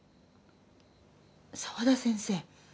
沢田先生。